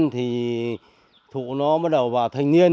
thì thụ nó bắt đầu vào thanh niên